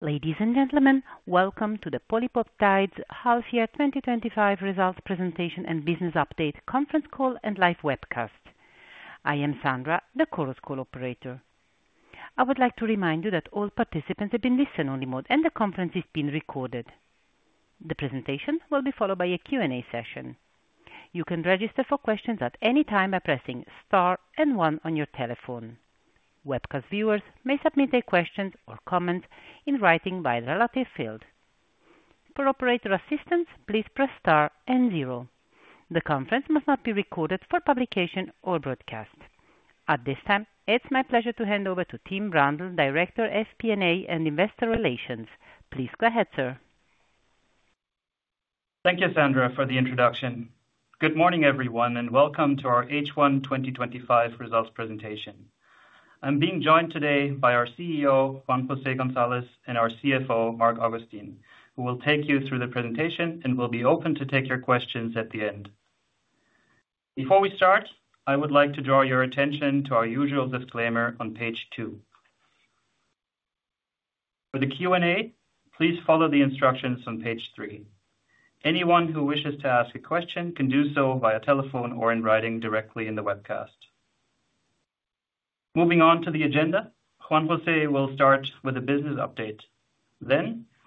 Ladies and gentlemen, welcome to the PolyPeptide Group AG Half Year 2025 Results Presentation and Business Update Conference Call and Live Webcast. I am Sandra, the call of school operator. I would like to remind you that all participants have been listen-only mode and the conference is being recorded. The presentation will be followed by a Q&A session. You can register for questions at any time by pressing star and one on your telephone. Webcast viewers may submit their questions or comments in writing via the relative field. For operator assistance, please press star and zero. The conference must not be recorded for publication or broadcast. At this time, it's my pleasure to hand over to Tim Brandl, Director FP&A and Investor Relations. Please go ahead, sir. Thank you, Sandra, for the introduction. Good morning, everyone, and welcome to our H1 2025 Results Presentation. I'm being joined today by our CEO, Juan José Gonzalez, and our CFO, Marc Augustin, who will take you through the presentation and will be open to take your questions at the end. Before we start, I would like to draw your attention to our usual disclaimer on page two. For the Q&A, please follow the instructions on page three. Anyone who wishes to ask a question can do so via telephone or in writing directly in the webcast. Moving on to the agenda, Juan José will start with a business update.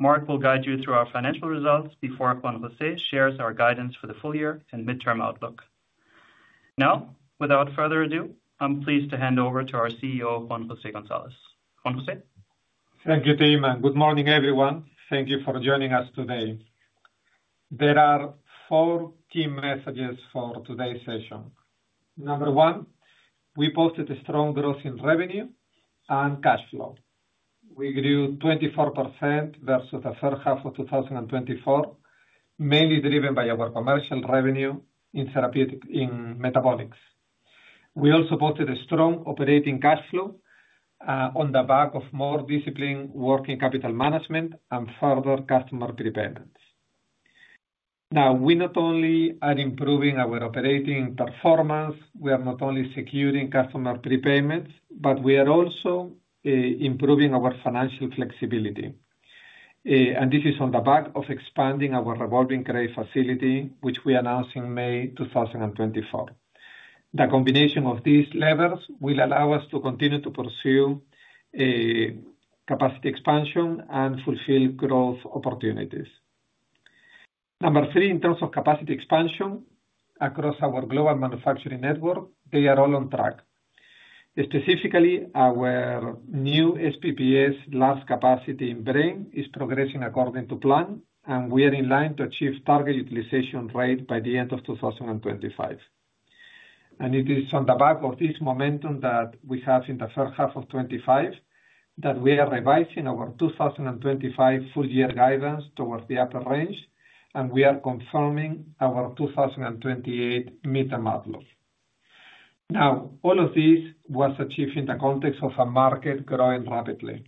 Marc will guide you through our financial results before Juan José shares our guidance for the full year and midterm outlook. Now, without further ado, I'm pleased to hand over to our CEO, Juan José Gonzalez. Juan José? Thank you, Tim, and good morning, everyone. Thank you for joining us today. There are four key messages for today's session. Number one, we posted strong growth in revenue and cash flow. We grew 24% versus the first half of 2024, mainly driven by our commercial revenue in therapeutic metabolics. We also posted strong operating cash flow on the back of more disciplined working capital management and further customer prepayments. We not only are improving our operating performance, we are not only securing customer prepayments, but we are also improving our financial flexibility. This is on the back of expanding our revolving credit facility, which we announced in May 2024. The combination of these levers will allow us to continue to pursue capacity expansion and fulfill growth opportunities. Number three, in terms of capacity expansion across our global manufacturing network, they are all on track. Specifically, our new SPPS large capacity facility in Braine is progressing according to plan, and we are in line to achieve target utilization rate by the end of 2025. It is on the back of this momentum that we have in the first half of 2025 that we are revising our 2025 full-year guidance towards the upper range, and we are confirming our 2028 midterm outlook. All of this was achieved in the context of a market growing rapidly.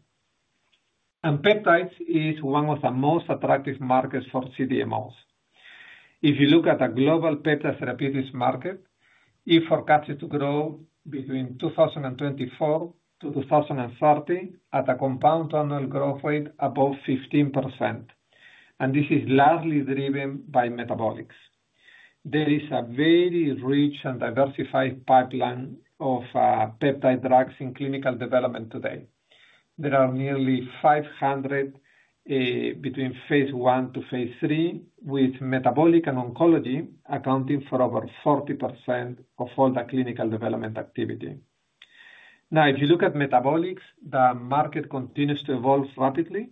Peptides is one of the most attractive markets for CDMOs. If you look at the global peptide therapeutics market, it is forecasted to grow between 2024 to 2030 at a CAGR above 15%. This is largely driven by metabolics. There is a very rich and diversified pipeline of peptide drugs in clinical development today. There are nearly 500 between phase one to phase three, with metabolics and oncology accounting for over 40% of all the clinical development activity. If you look at metabolics, the market continues to evolve rapidly.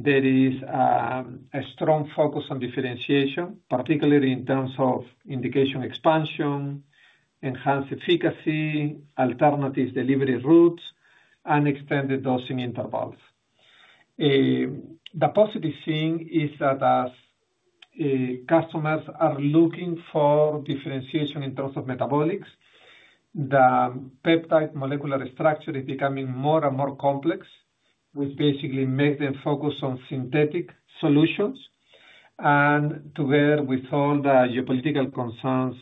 There is a strong focus on differentiation, particularly in terms of indication expansion, enhanced efficacy, alternative delivery routes, and extended dosing intervals. The possible thing is that as customers are looking for differentiation in terms of metabolics, the peptide molecular structure is becoming more and more complex, which basically makes them focus on synthetic solutions. Together with all the geopolitical concerns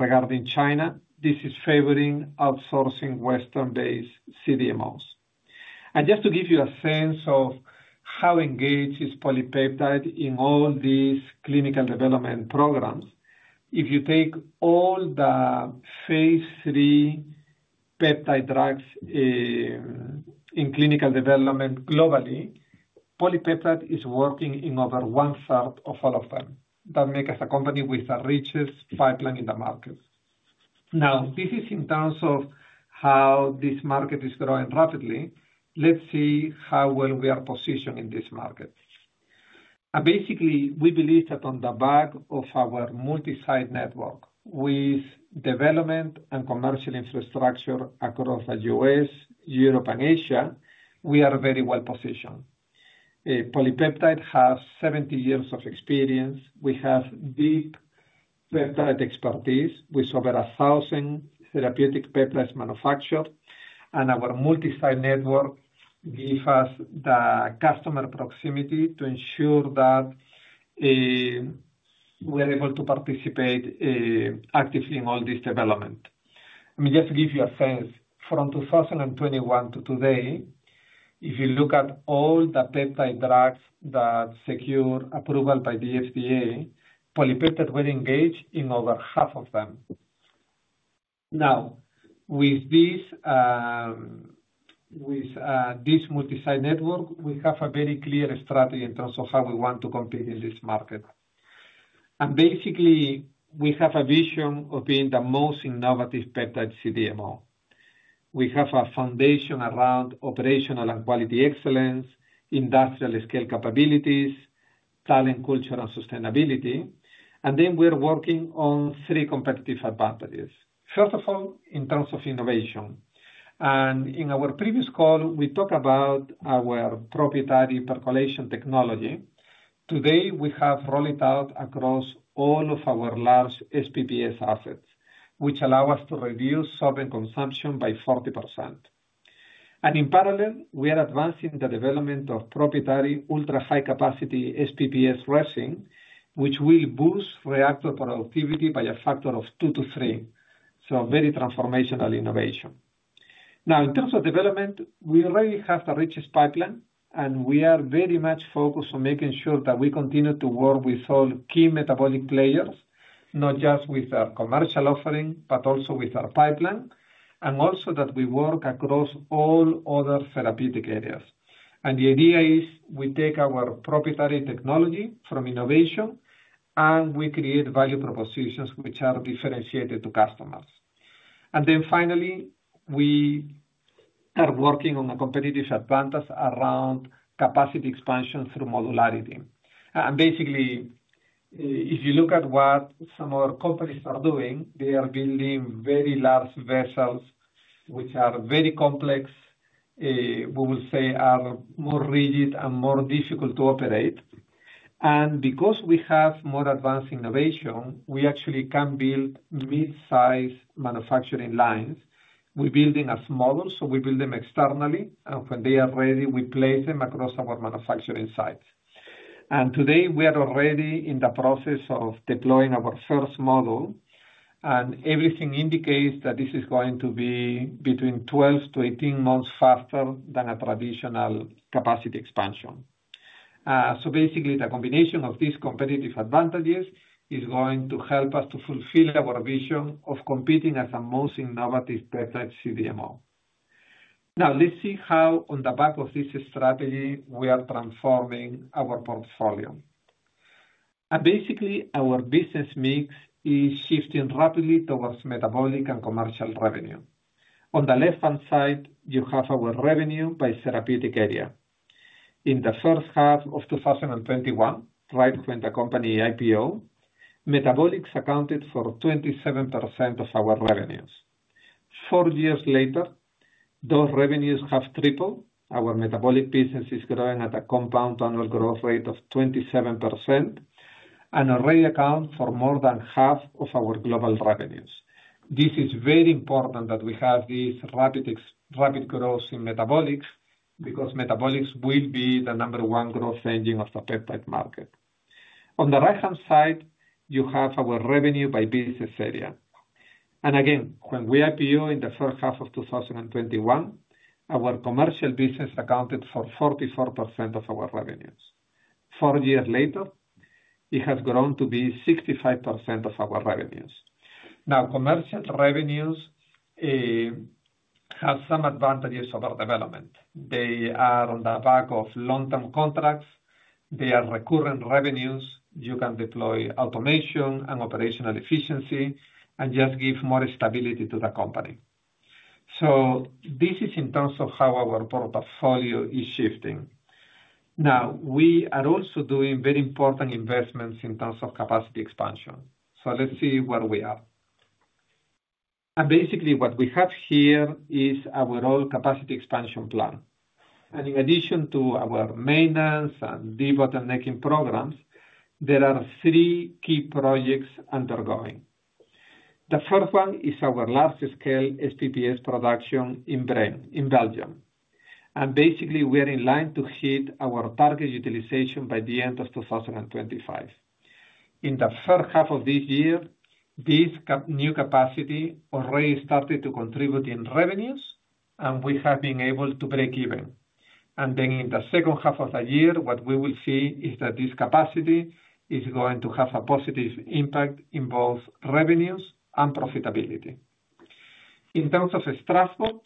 regarding China, this is favoring outsourcing Western-based CDMOs. Just to give you a sense of how engaged PolyPeptide is in all these clinical development programs, if you take all the phase three peptide drugs in clinical development globally, PolyPeptide is working in over one third of all of them. That makes us a company with the richest pipeline in the market. This is in terms of how this market is growing rapidly. Let's see how well we are positioned in this market. Basically, we believe that on the back of our multi-site network, with development and commercial infrastructure across the U.S., Europe, and Asia, we are very well positioned. PolyPeptide has 70 years of experience. We have deep peptide expertise with over 1,000 therapeutic peptides manufactured, and our multi-site network gives us the customer proximity to ensure that we are able to participate actively in all this development. Just to give you a sense, from 2021 to today, if you look at all the peptide drugs that secured approval by the FDA, PolyPeptide was engaged in over half of them. With this multi-site network, we have a very clear strategy in terms of how we want to compete in this market. Basically, we have a vision of being the most innovative peptide CDMO. We have a foundation around operational and quality excellence, industrial scale capabilities, talent culture, and sustainability. We are working on three competitive advantages. First of all, in terms of innovation, in our previous call, we talked about our proprietary percolation technology. Today, we have rolled it out across all of our large SPPS assets, which allow us to reduce solvent consumption by 40%. In parallel, we are advancing the development of proprietary ultra-high-capacity SPPS resin, which will boost reactor productivity by a factor of two to three. Very transformational innovation. In terms of development, we already have the richest pipeline, and we are very much focused on making sure that we continue to work with all key metabolics players, not just with our commercial offering, but also with our pipeline, and also that we work across all other therapeutic areas. The idea is we take our proprietary technology from innovation, and we create value propositions which are differentiated to customers. Finally, we are working on a competitive advantage around capacity expansion through modularity. If you look at what some other companies are doing, they are building very large vessels, which are very complex. We will say are more rigid and more difficult to operate. Because we have more advanced innovation, we actually can build mid-size manufacturing lines. We build them as models, so we build them externally, and when they are ready, we place them across our manufacturing sites. Today, we are already in the process of deploying our first model, and everything indicates that this is going to be between 12 to 18 months faster than a traditional capacity expansion. The combination of these competitive advantages is going to help us to fulfill our vision of competing as the most innovative peptide CDMO. Now, let's see how on the back of this strategy we are transforming our portfolio. Our business mix is shifting rapidly towards metabolics and commercial revenue. On the left-hand side, you have our revenue by therapeutic area. In the first half of 2021, right when the company IPO'ed, metabolics accounted for 27% of our revenues. Four years later, those revenues have tripled. Our metabolics business is growing at a CAGR of 27% and already accounts for more than half of our global revenues. This is very important that we have this rapid growth in metabolics because metabolics will be the number one growth engine of the peptide market. On the right-hand side, you have our revenue by business area. When we IPO'ed in the first half of 2021, our commercial business accounted for 44% of our revenues. Four years later, it has grown to be 65% of our revenues. Commercial revenues have some advantages over our development. They are on the back of long-term contracts. They are recurring revenues. You can deploy automation and operational efficiency and just give more stability to the company. This is in terms of how our portfolio is shifting. We are also doing very important investments in terms of capacity expansion. Let's see where we are. What we have here is our all-capacity expansion plan. In addition to our maintenance and debottlenecking programs, there are three key projects undergoing. The first one is our large-scale SPPS production in Braine, Belgium. We are in line to hit our target utilization by the end of 2025. In the first half of this year, this new capacity already started to contribute in revenues, and we have been able to break even. In the second half of the year, what we will see is that this capacity is going to have a positive impact in both revenues and profitability. In terms of Strasbourg,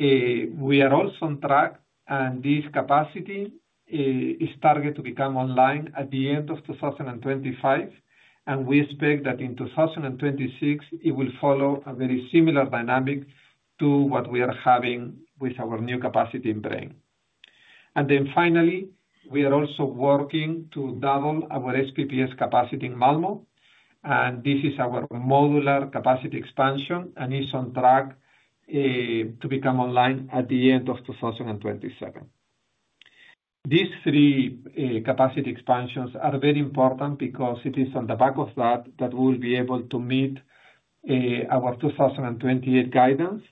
we are also on track, and this capacity is targeted to become online at the end of 2025. We expect that in 2026, it will follow a very similar dynamic to what we are having with our new capacity in Braine. Finally, we are also working to double our SPPS capacity in Malmö. This is our modular capacity expansion and is on track to become online at the end of 2027. These three capacity expansions are very important because it is on the back of that that we will be able to meet our 2028 guidance.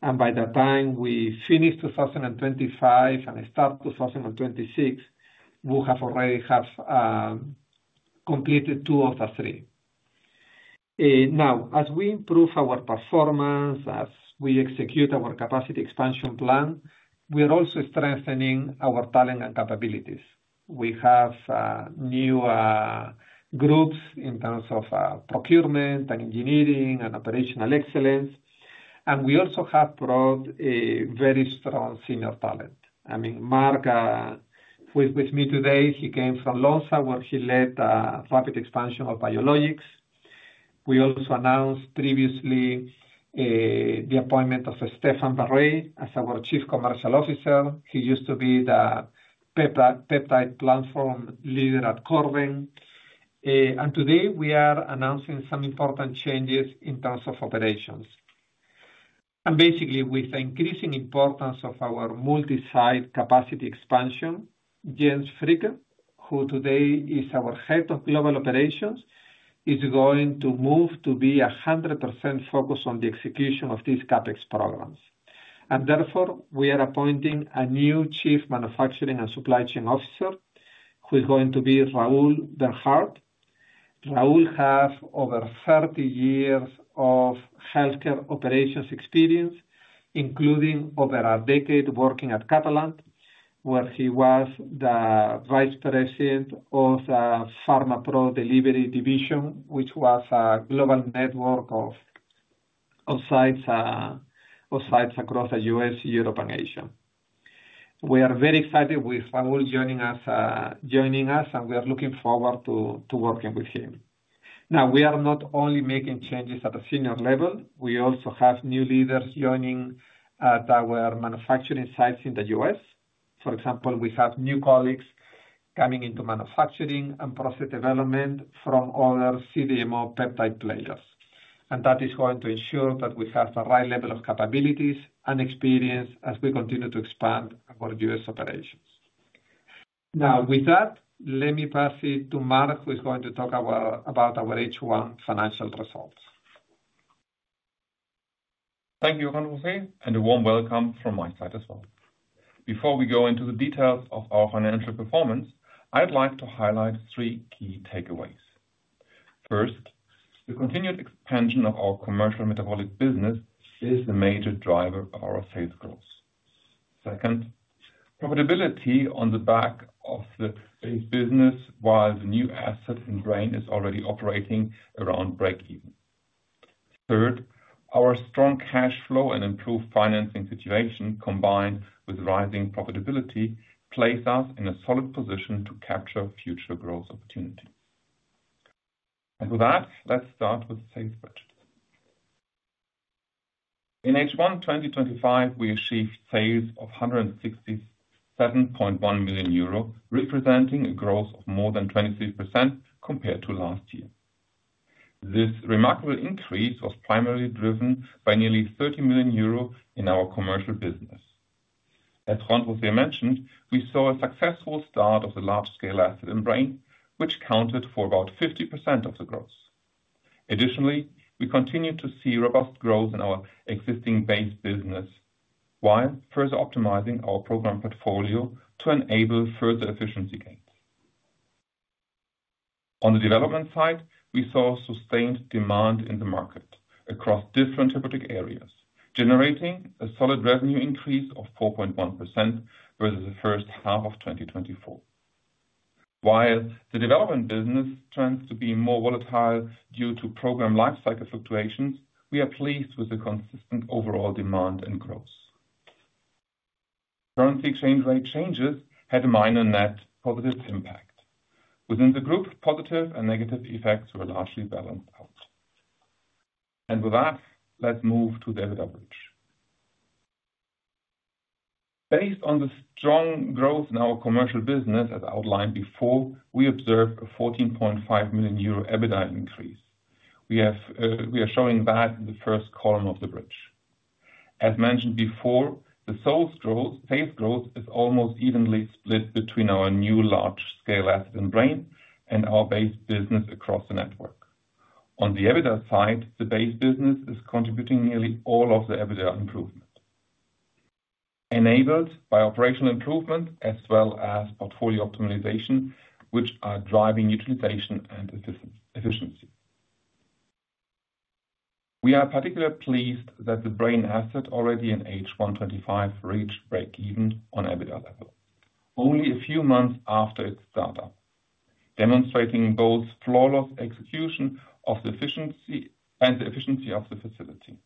By the time we finish 2025 and start 2026, we have already completed two of the three. Now, as we improve our performance, as we execute our capacity expansion plan, we are also strengthening our talent and capabilities. We have new groups in terms of procurement and engineering and operational excellence. We also have brought very strong senior talent. Marc was with me today. He came from Lonza, where he led rapid expansion of biologics. We also announced previously the appointment of Stefan Barré as our Chief Commercial Officer. He used to be the peptide platform leader at Corbion. Today, we are announcing some important changes in terms of operations. Basically, with the increasing importance of our multi-site capacity expansion, Jens Fricke, who today is our Head of Global Operations, is going to move to be 100% focused on the execution of these CapEx programs. Therefore, we are appointing a new Chief Manufacturing and Supply Chain Officer, who is going to be Raoul Bernhardt. Raoul has over 30 years of healthcare operations experience, including over a decade working at Catalent, where he was the Vice President of the Pharma Pro Delivery Division, which was a global network of sites across the U.S., Europe, and Asia. We are very excited with Raoul joining us, and we are looking forward to working with him. We are not only making changes at a senior level, we also have new leaders joining at our manufacturing sites in the U.S. For example, we have new colleagues coming into manufacturing and process development from other CDMO peptide players. That is going to ensure that we have the right level of capabilities and experience as we continue to expand our U.S. operations. With that, let me pass it to Marc, who is going to talk about our H1 financial results. Thank you, Juan José, and a warm welcome from my side as well. Before we go into the details of our financial performance, I'd like to highlight three key takeaways. First, the continued expansion of our commercial metabolics business is a major driver of our sales growth. Second, profitability on the back of this business, while the new asset in Braine is already operating around break-even. Third, our strong cash flow and improved financing situation, combined with rising profitability, place us in a solid position to capture future growth opportunity. With that, let's start with sales budgets. In H1 2025, we achieved sales of 167.1 million euro, representing a growth of more than 23% compared to last year. This remarkable increase was primarily driven by nearly 30 million euro in our commercial business. As Juan José mentioned, we saw a successful start of the large-scale asset in Braine, which counted for about 50% of the growth. Additionally, we continued to see robust growth in our existing base business, while further optimizing our program portfolio to enable further efficiency gains. On the development side, we saw sustained demand in the market across different therapeutic areas, generating a solid revenue increase of 4.1% versus the first half of 2024. While the development business tends to be more volatile due to program lifecycle fluctuations, we are pleased with the consistent overall demand and growth. Currency exchange rate changes had a minor net positive impact. Within the group, positive and negative effects were largely balanced out. With that, let's move to the EBITDA Bridge. Based on the strong growth in our commercial business as outlined before, we observed a 14.5 million euro EBITDA increase. We are showing that in the first column of the bridge. As mentioned before, the sales growth is almost evenly split between our new large-scale asset in Braine and our base business across the network. On the EBITDA side, the base business is contributing nearly all of the EBITDA improvement, enabled by operational improvement as well as portfolio optimization, which are driving utilization and efficiency. We are particularly pleased that the Braine asset already in H1 2025 reached break-even on EBITDA level, only a few months after its startup, demonstrating both flawless execution and the efficiency of the facility.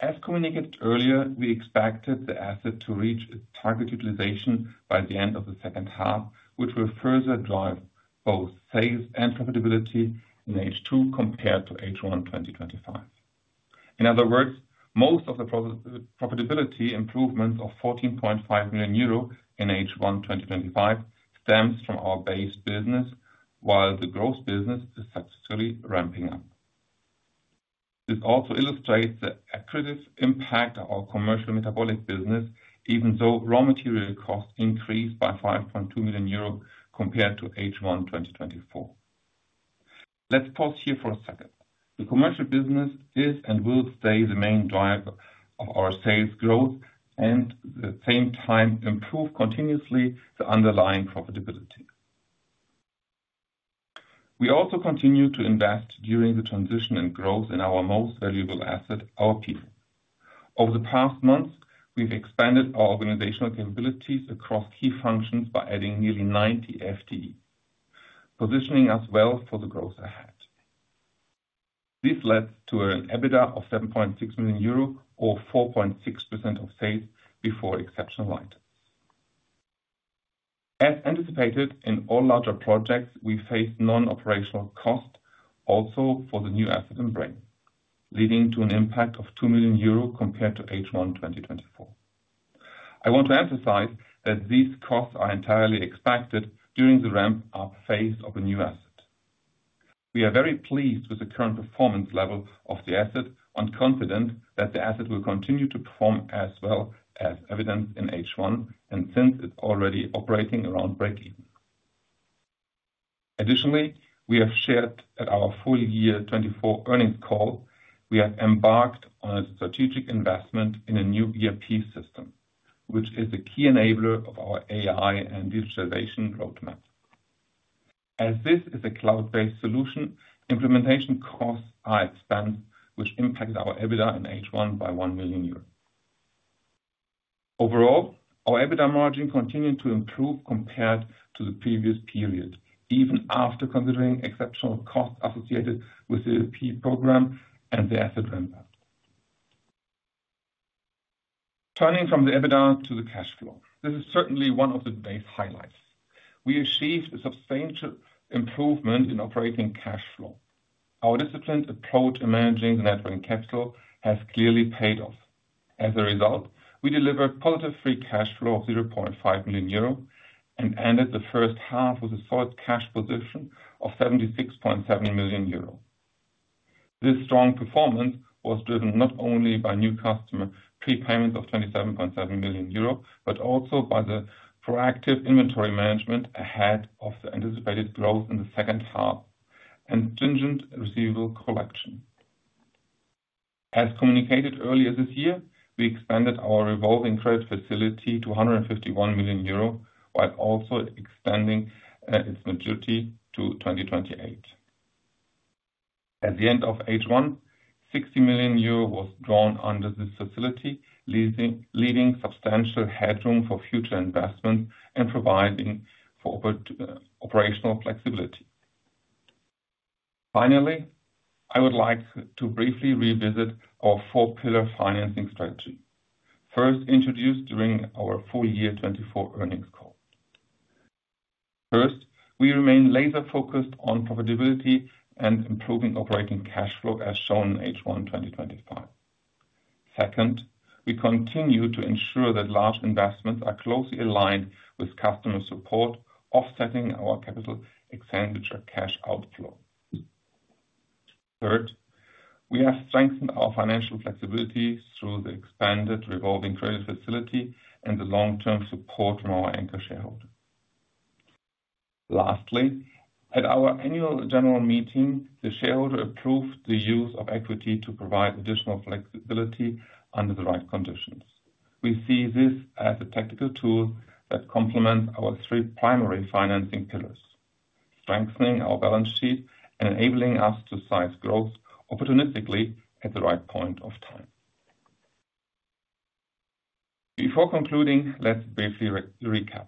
As communicated earlier, we expected the asset to reach its target utilization by the end of the second half, which will further drive both sales and profitability in H2 compared to H1 2025. In other words, most of the profitability improvements of 14.5 million euro in H1 2025 stem from our base business, while the growth business is successfully ramping up. This also illustrates the accretive impact of our commercial metabolics business, even though raw material costs increased by 5.2 million euro compared to H1 2024. Let's pause here for a second. The commercial business is and will stay the main driver of our sales growth and at the same time improve continuously the underlying profitability. We also continue to invest during the transition and growth in our most valuable asset, our people. Over the past months, we've expanded our organizational capabilities across key functions by adding nearly 90 FTE, positioning us well for the growth ahead. This led to an EBITDA of 7.6 million euro or 4.6% of sales before exceptional items. As anticipated, in all larger projects, we face non-operational costs also for the new asset in Braine, leading to an impact of 2 million euro compared to H1 2024. I want to emphasize that these costs are entirely expected during the ramp-up phase of the new asset. We are very pleased with the current performance level of the asset and confident that the asset will continue to perform as well as evidenced in H1 and since it's already operating around break-even. Additionally, we have shared at our full year 2024 earnings call, we have embarked on a strategic investment in a new ERP system, which is a key enabler of our AI and digitization roadmap. As this is a -based solution, implementation costs are expanded, which impacted our EBITDA in H1 by 1 million euros. Overall, our EBITDA margin continued to improve compared to the previous period, even after considering exceptional costs associated with the ERP program and the asset ramp-up. Turning from the EBITDA to the cash flow, this is certainly one of the base highlights. We achieved a substantial improvement in operating cash flow. Our disciplined approach in managing the working capital has clearly paid off. As a result, we delivered positive free cash flow of 0.5 million euro and ended the first half with a solid cash position of 76.7 million euro. This strong performance was driven not only by new customer prepayments of 27.7 million euro, but also by the proactive inventory management ahead of the anticipated growth in the second half and stringent receivable collection. As communicated earlier this year, we expanded our revolving credit facility to 151 million euro, while also extending its maturity to 2028. At the end of H1, 60 million euro was drawn under this facility, leaving substantial headroom for future investment and providing for operational flexibility. Finally, I would like to briefly revisit our four-pillar financing strategy, first introduced during our full year 2024 earnings call. First, we remain laser-focused on profitability and improving operating cash flow, as shown in H1 2025. Second, we continue to ensure that large investments are closely aligned with customer support, offsetting our capital expenditure cash outflow. Third, we have strengthened our financial flexibility through the expanded revolving credit facility and the long-term support from our anchor shareholders. Lastly, at our annual general meeting, the shareholder approved the use of equity to provide additional flexibility under the right conditions. We see this as a tactical tool that complements our three primary financing pillars, strengthening our balance sheet and enabling us to seize growth opportunistically at the right point of time. Before concluding, let's briefly recap.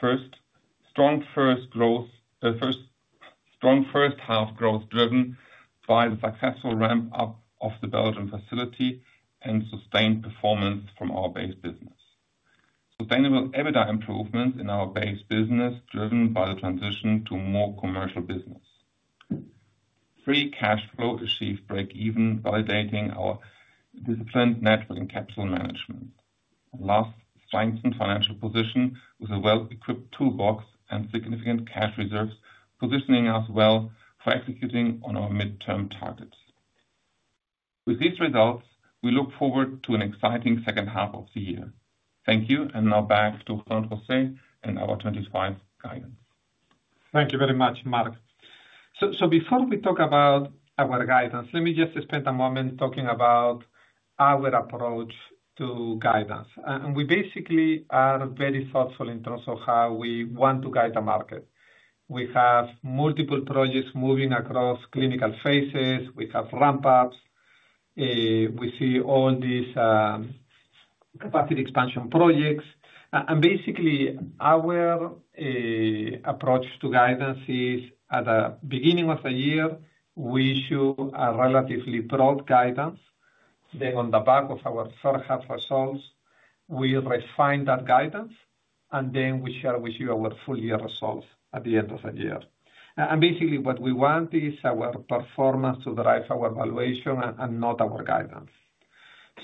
First, strong first half growth driven by the successful ramp-up of the Belgian facility and sustained performance from our base business. Sustainable EBITDA improvements in our base business driven by the transition to more commercial business. Free cash flow achieved break-even, validating our disciplined working capital management. Last, strengthened financial position with a well-equipped toolbox and significant cash reserves, positioning us well for executing on our midterm targets. With these results, we look forward to an exciting second half of the year. Thank you, and now back to Juan José Gonzalez and our 2025 guidance. Thank you very much, Marc. Before we talk about our guidance, let me just spend a moment talking about our approach to guidance. We basically are very thoughtful in terms of how we want to guide the market. We have multiple projects moving across clinical phases. We have ramp-ups. We see all these capacity expansion projects. Our approach to guidance is at the beginning of the year, we issue a relatively broad guidance. Then, on the back of our third-half results, we refine that guidance, and then we share with you our full-year results at the end of the year. What we want is our performance to drive our evaluation and not our guidance.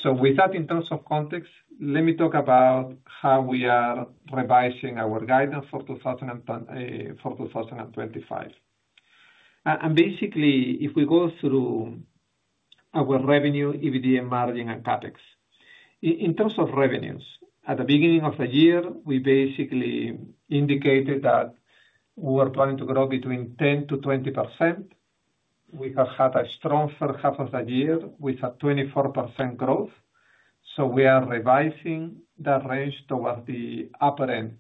With that in terms of context, let me talk about how we are revising our guidance for 2025. If we go through our revenue, EBITDA margin, and CapEx, in terms of revenues, at the beginning of the year, we basically indicated that we were planning to grow between 10% to 20%. We have had a strong third half of the year with a 24% growth. We are revising that range towards the upper end.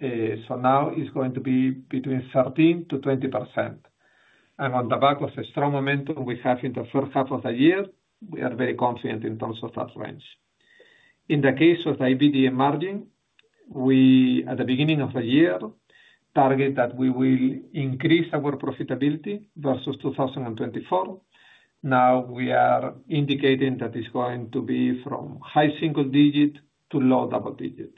Now it's going to be between 13% to 20%. On the back of the strong momentum we have in the first half of the year, we are very confident in terms of that range. In the case of the EBITDA margin, at the beginning of the year, we targeted that we will increase our profitability versus 2024. Now we are indicating that it's going to be from high single-digit to low double-digit.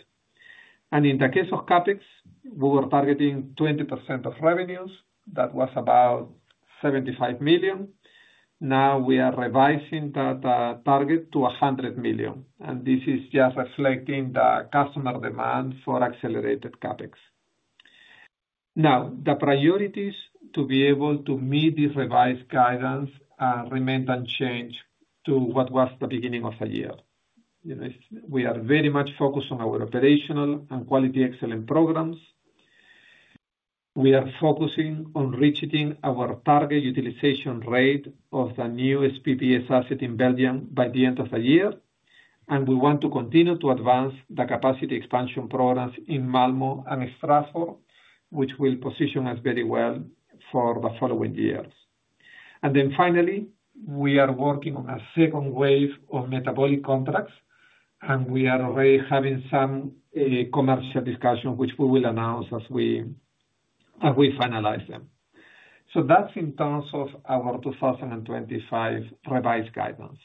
In the case of CapEx, we were targeting 20% of revenues. That was about 75 million. Now we are revising that target to 100 million. This is just reflecting the customer demand for accelerated CapEx. The priorities to be able to meet this revised guidance remain unchanged to what was the beginning of the year. We are very much focused on our operational and quality excellence programs. We are focusing on reaching our target utilization rate of the new SPPS large capacity facility in Braine, Belgium by the end of the year. We want to continue to advance the capacity expansion programs in Malmö and Strasbourg, which will position us very well for the following year. Finally, we are working on a second wave of metabolics contracts. We are already having some commercial discussions, which we will announce as we finalize them. That's in terms of our 2025 revised guidance.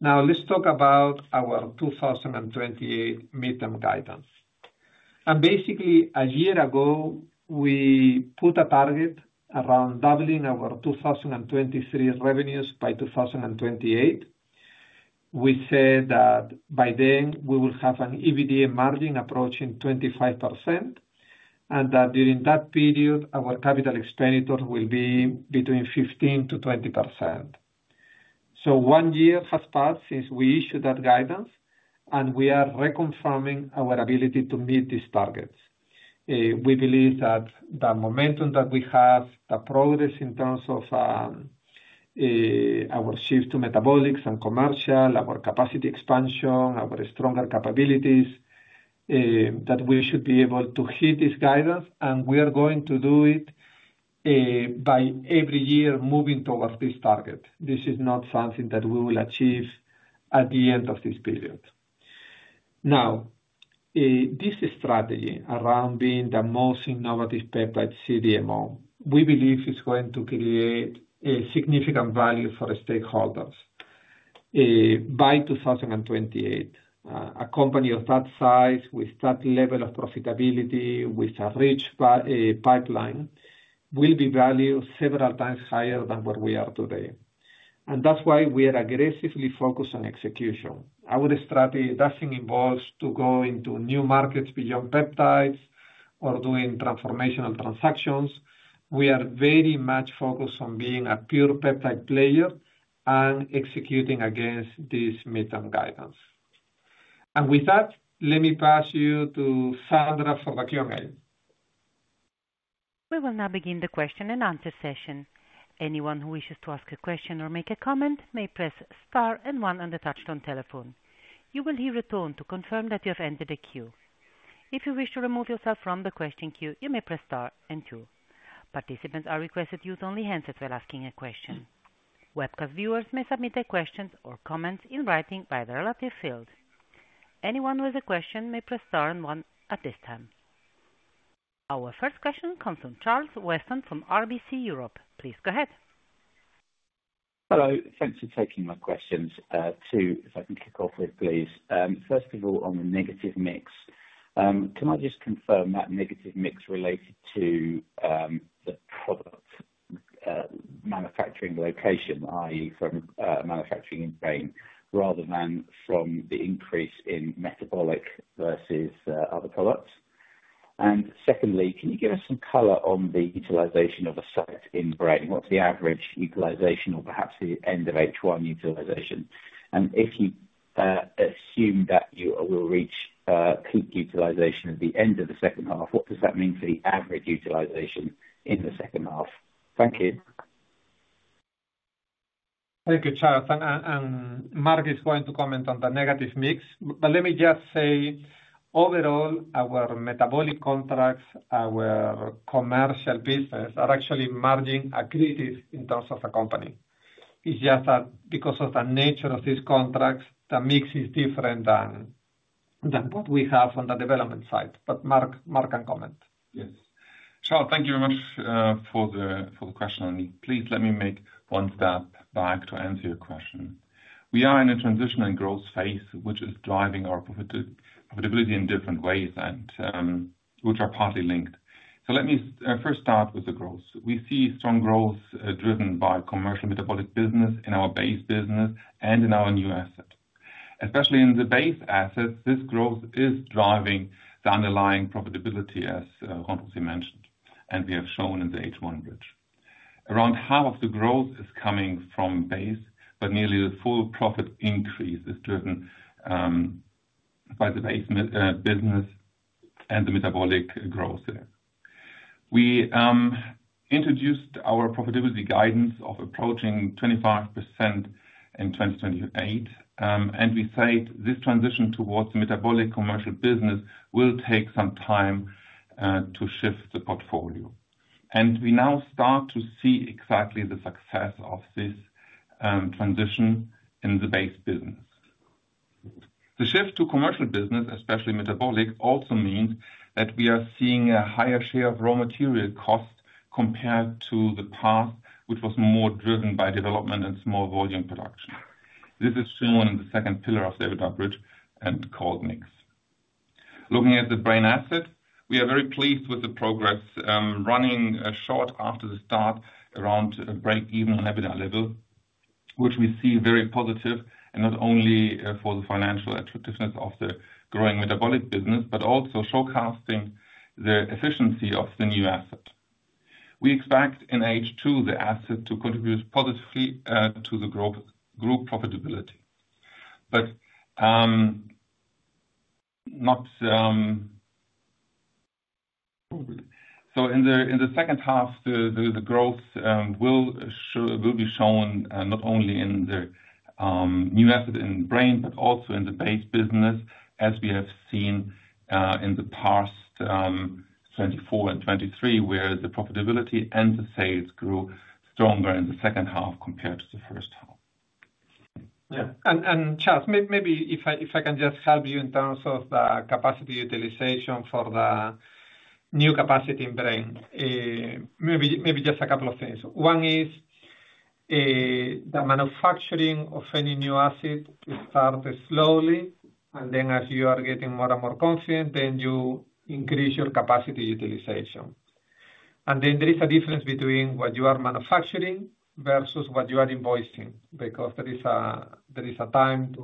Now, let's talk about our 2028 midterm guidance. Basically, a year ago, we put a target around doubling our 2023 revenues by 2028. We said that by then, we will have an EBITDA margin approaching 25% and that during that period, our capital expenditure will be between 15% to 20%. One year has passed since we issued that guidance, and we are reconfirming our ability to meet these targets. We believe that the momentum that we have, the progress in terms of our shift to metabolics and commercial, our capacity expansion, our stronger capabilities, that we should be able to hit this guidance. We are going to do it by every year moving towards this target. This is not something that we will achieve at the end of this period. This strategy around being the most innovative peptide CDMO, we believe it's going to create significant value for stakeholders. By 2028, a company of that size, with that level of profitability, with a rich pipeline, will be valued several times higher than where we are today. That's why we are aggressively focused on execution. Our strategy doesn't involve going to new markets beyond peptides or doing transformational transactions. We are very much focused on being a pure peptide player and executing against this midterm guidance. With that, let me pass you to Sandra from the Q&A. We will now begin the question and answer session. Anyone who wishes to ask a question or make a comment may press star and one on the touch-tone telephone. You will hear a tone to confirm that you have entered the queue. If you wish to remove yourself from the question queue, you may press star and two. Participants are requested to use only handsets if they're asking a question. Webcast viewers may submit their questions or comments in writing by the relevant field. Anyone who has a question may press star and one at this time. Our first question comes from Charles Weston from RBC Europe. Please go ahead. Hello. Thanks for taking my questions. Two, if I can kick off with, please. First of all, on the negative mix, can I just confirm that negative mix related to the product manufacturing location, i.e., from manufacturing in Braine rather than from the increase in metabolics versus the other products? Secondly, can you give us some color on the utilization of a site in Braine? What's the average utilization or perhaps the end of H1 utilization? If you assume that you will reach peak utilization at the end of the second half, what does that mean for the average utilization in the second half? Thank you. Thank you, Charles. Marc is going to comment on the negative mix. Let me just say, overall, our metabolics contracts, our commercial business are actually margin accretive in terms of the company. It's just that because of the nature of these contracts, the mix is different than what we have on the development side. Marc can comment. Yes. Charles, thank you very much for the question. Please let me make one step back to answer your question. We are in a transitional growth phase, which is driving our profitability in different ways, and which are partly linked. Let me first start with the growth. We see strong growth driven by commercial metabolics business in our base business and in our new assets. Especially in the base assets, this growth is driving the underlying profitability, as Juan mentioned, and we have shown in the H1 bridge. Around half of the growth is coming from base, but nearly the full profit increase is driven by the base business and the metabolics growth there. We introduced our profitability guidance of approaching 25% in 2028. We said this transition towards the metabolics commercial business will take some time to shift the portfolio. We now start to see exactly the success of this transition in the base business. The shift to commercial business, especially metabolics, also means that we are seeing a higher share of raw material costs compared to the past, which was more driven by development and small volume production. This is shown in the second pillar of the EBITDA bridge and cold mix. Looking at the Braine assets, we are very pleased with the progress running short after the start around break-even in EBITDA level, which we see very positive, and not only for the financial attractiveness of the growing metabolics business, but also showcasing the efficiency of the new asset. We expect in H2 the asset to contribute positively to the group profitability. Not so in the second half, the growth will be shown not only in the new asset in Braine, but also in the base business, as we have seen in the past 2024 and 2023, where the profitability and the sales grew stronger in the second half compared to the first half. Charles, maybe if I can just help you in terms of the capacity utilization for the new capacity in Braine, maybe just a couple of things. One is the manufacturing of any new asset is started slowly, and as you are getting more and more confident, you increase your capacity utilization. There is a difference between what you are manufacturing versus what you are invoicing because there is a time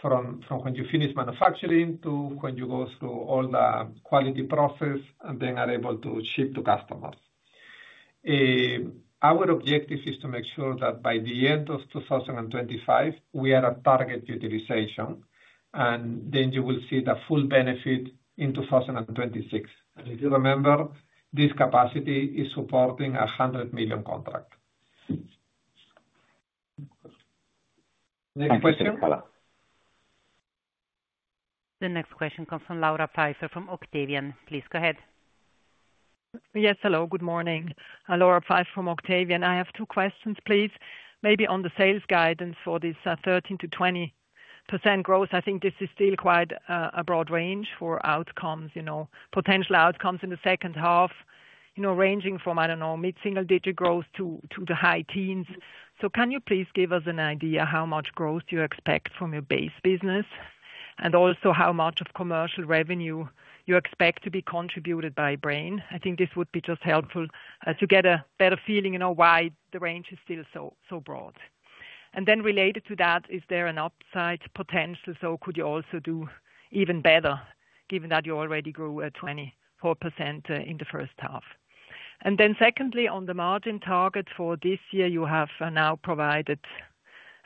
from when you finish manufacturing to when you go through all the quality process and then are able to ship to customers. Our objective is to make sure that by the end of 2025, we are at target utilization, and you will see the full benefit in 2026. If you remember, this capacity is supporting a 100 million contract. Next question? The next question comes from Laura Pfeiffer from Octavian. Please go ahead. Yes. Hello. Good morning. Laura Pfeiffer from Octavian. I have two questions, please. Maybe on the sales guidance for this 13% to 20% growth, I think this is still quite a broad range for potential outcomes in the second half, you know, ranging from, I don't know, mid-single-digit growth to the high teens. Can you please give us an idea how much growth you expect from your base business and also how much of commercial revenue you expect to be contributed by Braine? I think this would be just helpful as you get a better feeling, you know, why the range is still so broad. Related to that, is there an upside potential? Could you also do even better, given that you already grew at 24% in the first half? Secondly, on the margin target for this year, you have now provided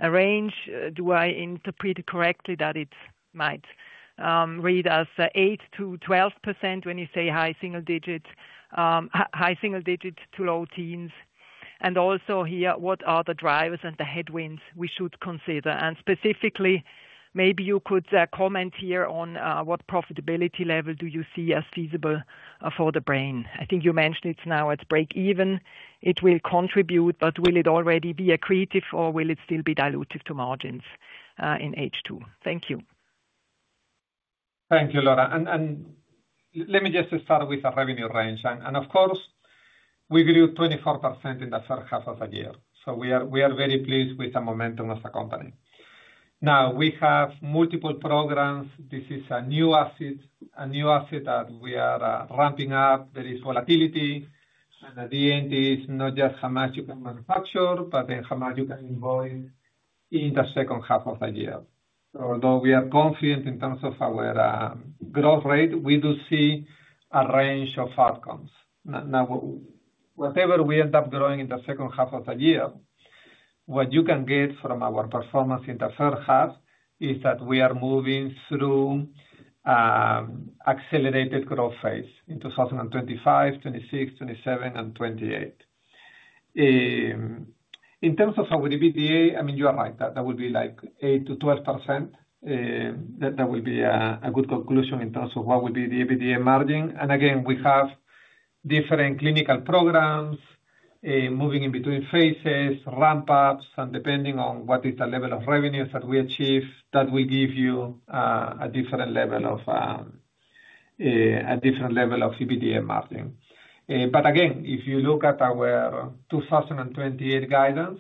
a range. Do I interpret it correctly that it might read as 8% to 12% when you say high single-digit to low teens? Also here, what are the drivers and the headwinds we should consider? Specifically, maybe you could comment here on what profitability level do you see as feasible for the Braine? I think you mentioned it's now at break-even. It will contribute, but will it already be accretive or will it still be dilutive to margins in H2? Thank you. Thank you, Laura. Let me just start with the revenue range. Of course, we grew 24% in the first half of the year. We are very pleased with the momentum of the company. We have multiple programs. This is a new asset, a new asset that we are ramping up. There is volatility. The D&D is not just how much you can manufacture, but how much you can invoice in the second half of the year. Although we are confident in terms of our growth rate, we do see a range of outcomes. Whatever we end up growing in the second half of the year, what you can get from our performance in the first half is that we are moving through an accelerated growth phase in 2025, 2026, 2027, and 2028. In terms of our EBITDA, you are right. That would be like 8% to 12%. That would be a good conclusion in terms of what would be the EBITDA margin. We have different clinical programs moving in between phases, ramp-ups, and depending on what is the level of revenues that we achieve, that will give you a different level of EBITDA margin. If you look at our 2028 guidance,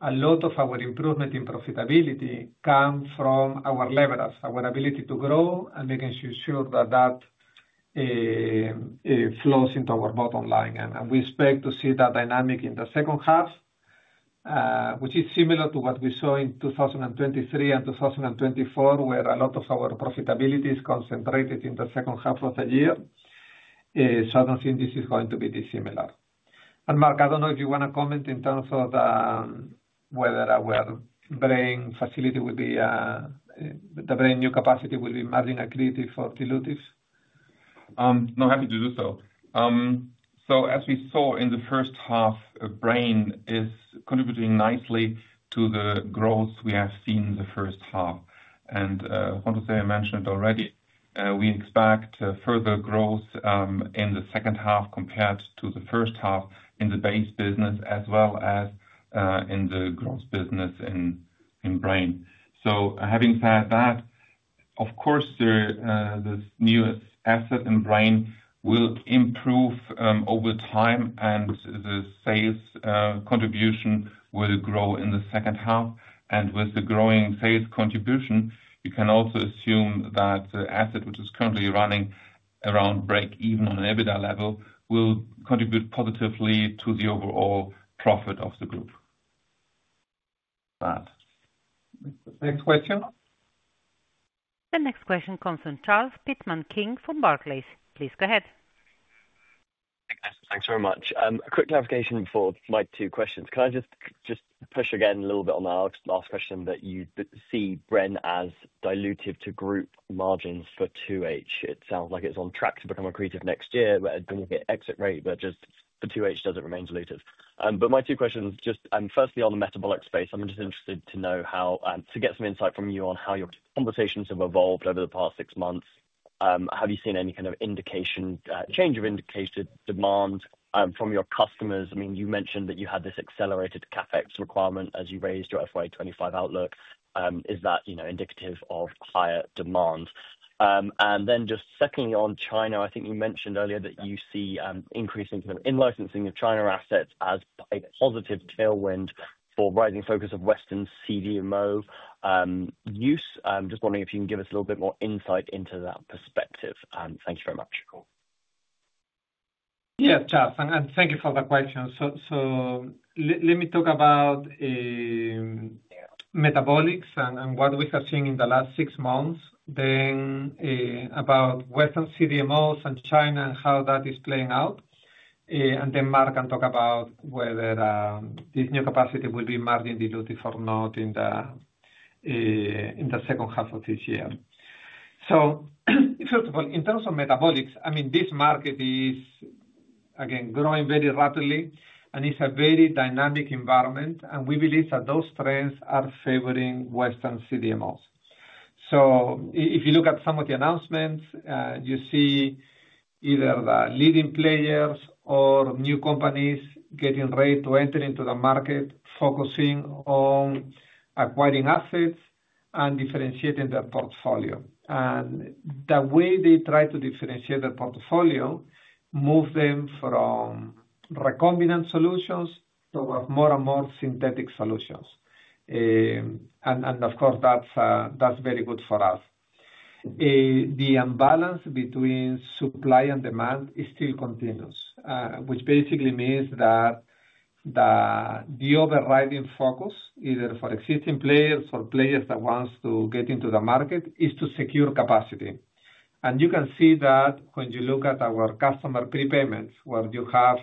a lot of our improvement in profitability comes from our leverage, our ability to grow, and making sure that that flows into our bottom line. We expect to see that dynamic in the second half, which is similar to what we saw in 2023 and 2024, where a lot of our profitability is concentrated in the second half of the year. I don't think this is going to be dissimilar. Marc, I don't know if you want to comment in terms of whether our Braine facility, the Braine new capacity, would be margin accretive or dilutive. I'm happy to do so. As we saw in the first half, Braine is contributing nicely to the growth we have seen in the first half. Juan mentioned already, we expect further growth in the second half compared to the first half in the base business as well as in the growth business in Braine. Having said that, of course, the new asset in Braine will improve over time, and the sales contribution will grow in the second half. With the growing sales contribution, you can also assume that the asset, which is currently running around break-even at EBITDA level, will contribute positively to the overall profit of the group. Next question? The next question comes from Charles Pitman King from Barclays. Please go ahead. Thanks very much. A quick clarification for my two questions. Can I just push again a little bit on the last question that you see Braine as dilutive to group margins for 2H? It sounds like it's on track to become accretive next year, but I don't think it exit rate, just for 2H, does it remain dilutive? My two questions, firstly, on the metabolics space, I'm just interested to know how to get some insight from you on how your conversations have evolved over the past six months. Have you seen any kind of indication, change of indicated demand from your customers? You mentioned that you had this accelerated CapEx requirement as you raised your FY25 outlook. Is that indicative of higher demand? Secondly, on China, I think you mentioned earlier that you see increasing kind of in-licensing of China assets as a positive tailwind for rising focus of Western CDMO use. I'm just wondering if you can give us a little bit more insight into that perspective. Thank you very much. Yes, Charles. Thank you for the question. Let me talk about metabolics and what we have seen in the last six months, then about Western CDMOs and China and how that is playing out. Marc can talk about whether this new capacity will be margin dilutive or not in the second half of this year. First of all, in terms of metabolics, this market is, again, growing very rapidly, and it's a very dynamic environment. We believe that those trends are favoring Western CDMOs. If you look at some of the announcements, you see either the leading players or new companies getting ready to enter into the market, focusing on acquiring assets and differentiating their portfolio. The way they try to differentiate their portfolio moves them from recombinant solutions towards more and more synthetic solutions. Of course, that's very good for us. The imbalance between supply and demand is still continuous, which basically means that the overriding focus, either for existing players or players that want to get into the market, is to secure capacity. You can see that when you look at our customer prepayments, where you have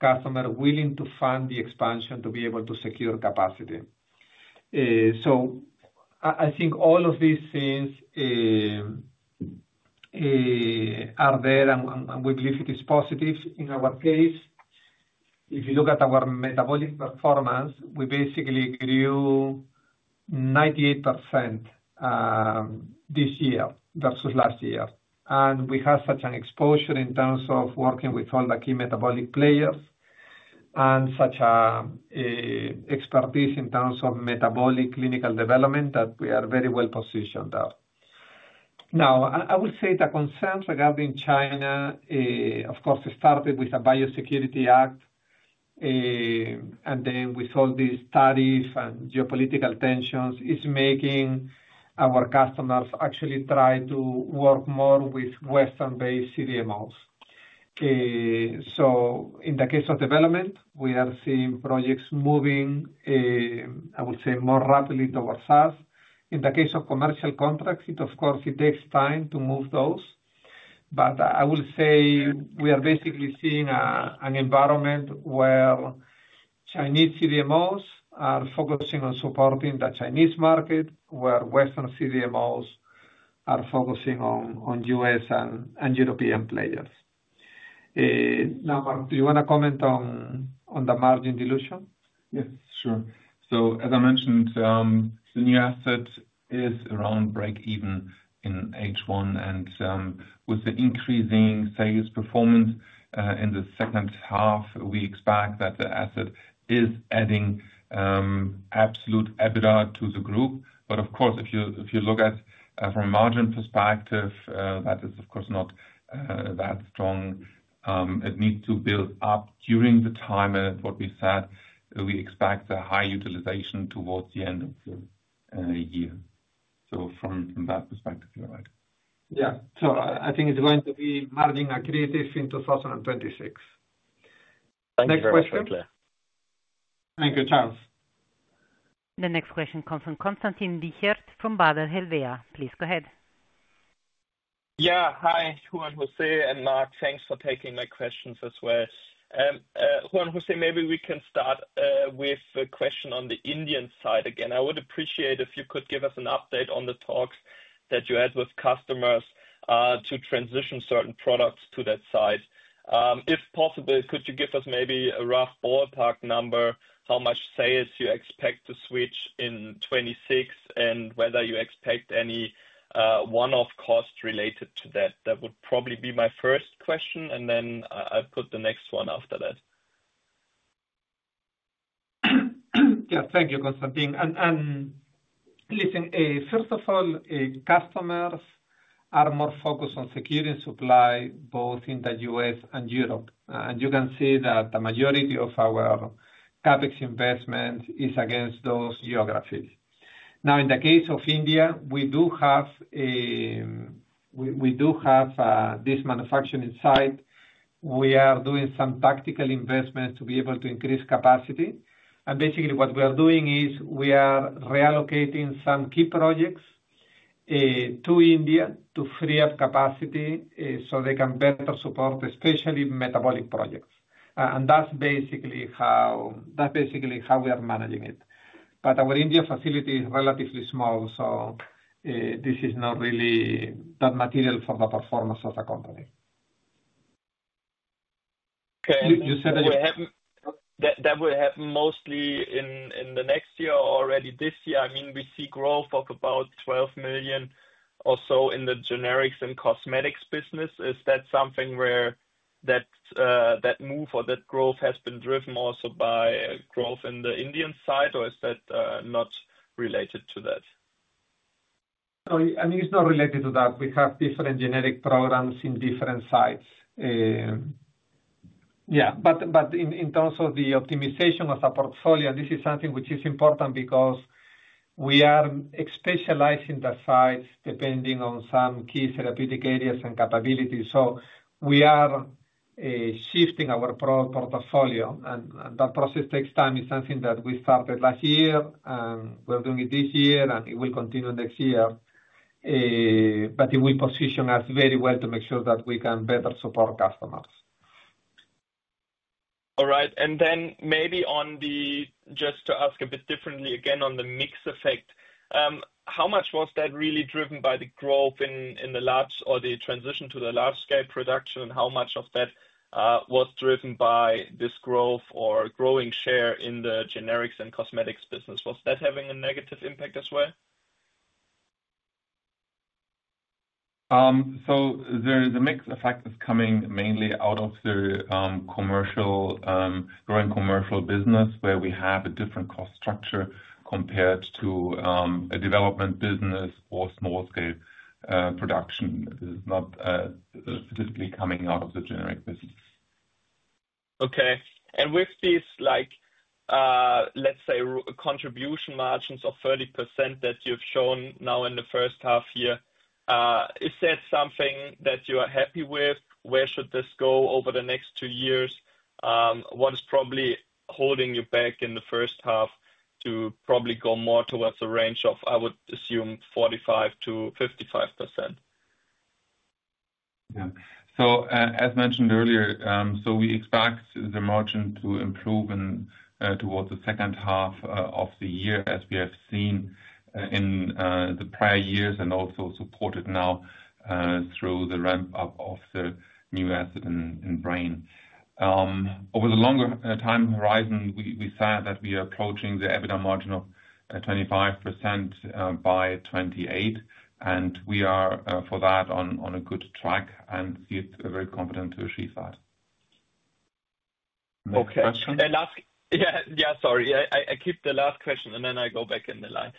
customers willing to fund the expansion to be able to secure capacity. All of these things are there, and we believe it is positive. In our case, if you look at our metabolic performance, we basically grew 98% this year versus last year. We have such an exposure in terms of working with all the key metabolic players and such expertise in terms of metabolic clinical development that we are very well positioned there. I would say the concerns regarding China, of course, started with the Biosecurity Act, and then with all these studies and geopolitical tensions, it's making our customers actually try to work more with Western-based CDMOs. In the case of development, we are seeing projects moving, I would say, more rapidly towards us. In the case of commercial contracts, it, of course, takes time to move those. I would say we are basically seeing an environment where Chinese CDMOs are focusing on supporting the Chinese market, where Western CDMOs are focusing on U.S. and European players. Marc, do you want to comment on the margin dilution? Yes, sure. As I mentioned, the new asset is around break-even in H1. With the increasing sales performance in the second half, we expect that the asset is adding absolute EBITDA to the group. Of course, if you look at it from a margin perspective, that is not that strong. It needs to build up during the time, and what we said, we expect a high utilization towards the end of the year. From that perspective, you're right. Yeah, I think it's going to be margin accretive in 2026. Thank you. Next question? Very clear. Thank you, Charles. The next question comes from Constantin Lichert from Baader Helvea. Please go ahead. Yeah. Hi, Juan José and Marc. Thanks for taking my questions as well. Juan José, maybe we can start with a question on the Indian side again. I would appreciate if you could give us an update on the talks that you had with customers to transition certain products to that side. If possible, could you give us maybe a rough ballpark number, how much sales you expect to switch in 2026, and whether you expect any one-off costs related to that? That would probably be my first question, and then I'll put the next one after that. Thank you, Constantin. First of all, customers are more focused on securing supply both in the U.S. and Europe. You can see that the majority of our CapEx investment is against those geographies. In the case of India, we do have this manufacturing site. We are doing some tactical investments to be able to increase capacity. Basically, what we are doing is we are reallocating some key projects to India to free up capacity so they can better support, especially metabolics projects. That's basically how we are managing it. Our India facility is relatively small, so this is not really that material for the performance of the company. You said that we have mostly in the next year or already this year, I mean, we see growth of about 12 million or so in the generics and cosmetics business. Is that something where that move or that growth has been driven also by growth in the Indian side, or is that not related to that? It's not related to that. We have different generic programs in different sites. In terms of the optimization of the portfolio, this is something which is important because we are specializing the sites depending on some key therapeutic areas and capabilities. We are shifting our product portfolio, and that process takes time. It's something that we started last year, we're doing it this year, and it will continue next year. It will position us very well to make sure that we can better support customers. All right. Maybe just to ask a bit differently again on the mix effect, how much was that really driven by the growth in the large or the transition to the large-scale production, and how much of that was driven by this growth or growing share in the generics and cosmetics business? Was that having a negative impact as well? There is a mix effect that's coming mainly out of the growing commercial business, where we have a different cost structure compared to a development business or small-scale production. This is not statistically coming out of the generic business. Okay. With these, let's say, contribution margins of 30% that you've shown now in the first half here, is that something that you are happy with? Where should this go over the next two years? What is probably holding you back in the first half to probably go more towards a range of, I would assume, 45% to 55%? As mentioned earlier, we expect the margin to improve towards the second half of the year, as we have seen in prior years and also supported now through the ramp-up of the new asset in Braine. Over the longer time horizon, we saw that we are approaching the EBITDA margin of 25% by 2028, and we are for that on a good track and feel very confident to achieve that. Okay, last. Yeah, sorry. I keep the last question, and then I go back in the line.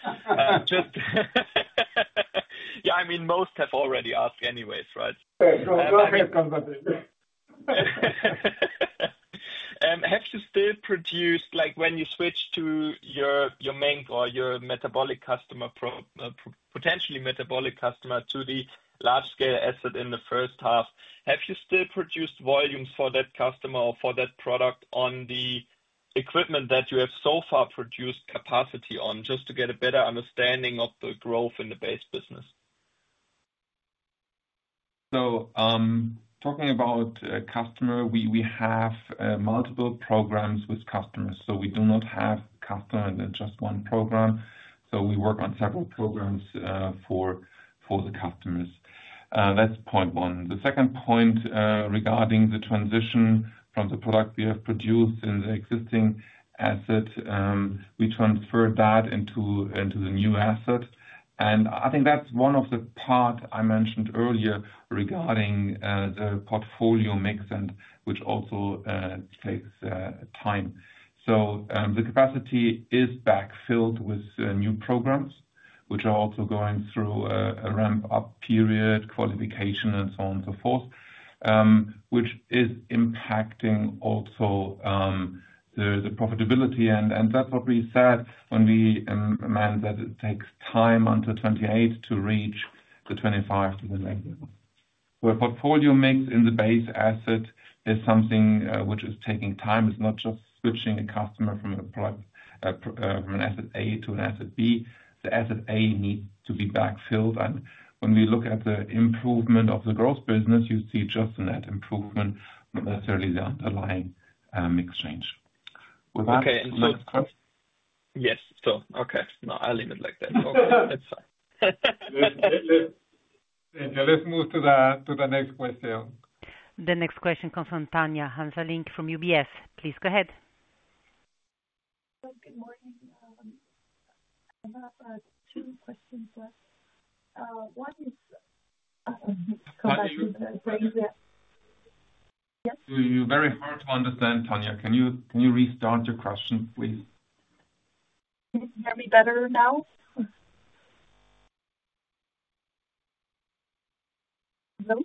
Yeah, I mean, most have already asked anyways, right? Go ahead, Constantin. Have you still produced, like when you switched to your main or your metabolics customer, potentially metabolics customer, to the large-scale asset in the first half, have you still produced volumes for that customer or for that product on the equipment that you have so far produced capacity on, just to get a better understanding of the growth in the base business? Talking about a customer, we have multiple programs with customers. We do not have customers in just one program. We work on several programs for the customers. That's point one. The second point regarding the transition from the product we have produced in the existing asset, we transferred that into the new asset. I think that's one of the parts I mentioned earlier regarding the portfolio mix, which also takes time. The capacity is backfilled with new programs, which are also going through a ramp-up period, qualification, and so on and so forth, which is impacting also the profitability. That's what we said when we meant that it takes time until 2028 to reach the 25 million. The portfolio mix in the base asset is something which is taking time. It's not just switching a customer from an asset A to an asset B. The asset A needs to be backfilled. When we look at the improvement of the growth business, you see just in that improvement, not necessarily the underlying mix change. Okay. So. Yes, that's fine. Let's move to the next question. The next question comes from Tanya Hanseling from UBS. Please go ahead. I have two questions left. One is about. I understand, Tanya. Can you restart your question, please? Can you hear me better now? Hello.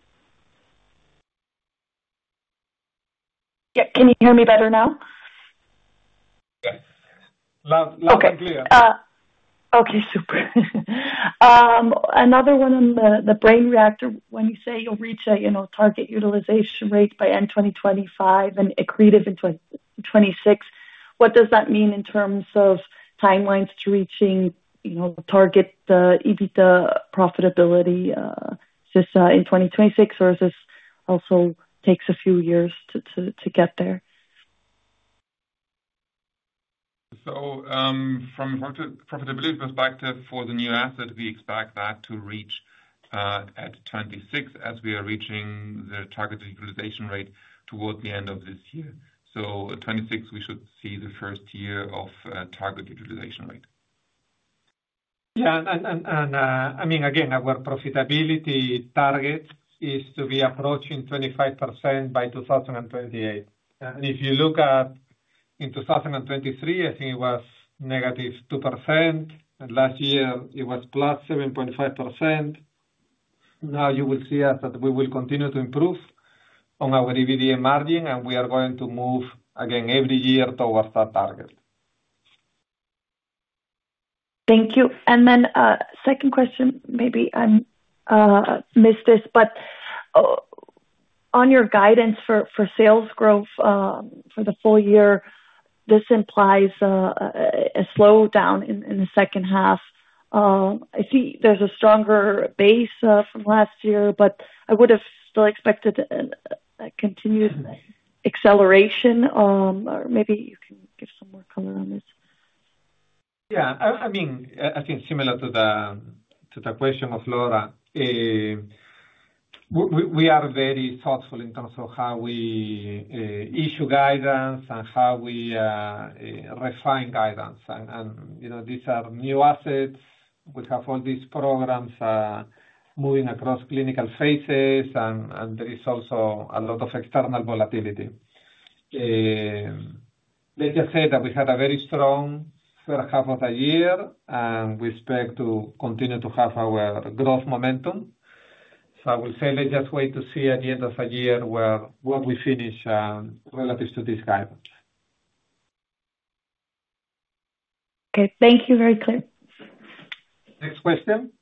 Yeah, can you hear me better now? Okay. Okay. Super. Another one on the Braine reactor. When you say you'll reach a target utilization rate by end 2025 and accretive in 2026, what does that mean in terms of timelines to reaching target EBITDA profitability? Is this in 2026, or does this also take a few years to get there? From a profitability perspective for the new asset, we expect that to reach at 2026 as we are reaching the target utilization rate towards the end of this year. In 2026, we should see the first year of target utilization rate. Our profitability target is to be approaching 25% by 2028. If you look at in 2023, I think it was negative 2%. Last year, it was plus 7.5%. You will see us continue to improve on our EBITDA margin, and we are going to move again every year towards that target. Thank you. A second question, maybe I missed this, but on your guidance for sales growth for the full year, this implies a slowdown in the second half. I see there's a stronger base from last year, but I would have still expected a continued acceleration. Maybe you can give some more color on this. I think similar to the question of Laura, we are very thoughtful in terms of how we issue guidance and how we refine guidance. You know these are new assets. We have all these programs moving across clinical phases, and there is also a lot of external volatility. Let's just say that we had a very strong first half of the year, and we expect to continue to have our growth momentum. I will say let's just wait to see at the end of the year where we finish relative to this guidance. Okay, thank you. Very clear. Next question?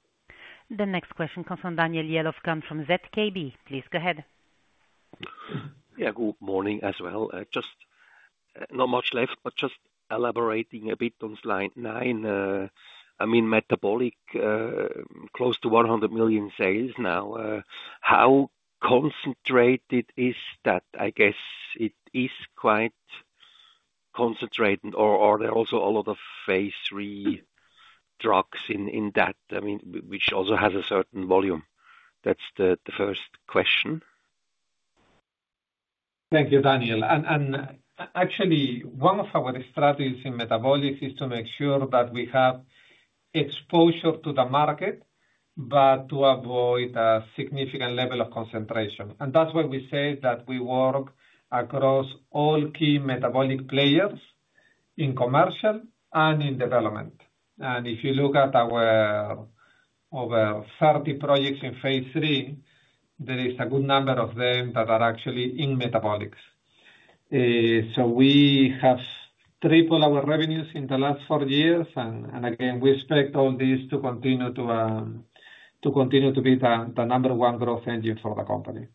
The next question comes from Daniel Yelovkan from ZKB. Please go ahead. Good morning as well. Just not much left, but just elaborating a bit on slide nine. I mean, metabolics, close to 100 million sales now. How concentrated is that? I guess it is quite concentrated, or are there also a lot of phase three peptide drugs in that? I mean, which also has a certain volume? That's the first question. Thank you, Daniel. One of our strategies in metabolics is to make sure that we have exposure to the market, but to avoid a significant level of concentration. That is when we say that we work across all key metabolic players in commercial and in development. If you look at our over 30 projects in phase three, there is a good number of them that are actually in metabolics. We have tripled our revenues in the last four years, and we expect all these to continue to be the number one growth engine for the company.